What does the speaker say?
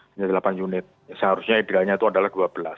hanya delapan unit seharusnya idealnya itu adalah dua belas